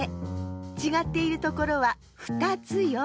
ちがっているところは２つよ。